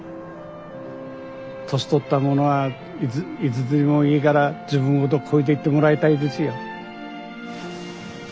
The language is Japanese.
年取った者はいつでもいいから自分のこと超えていってもらいたいですよ。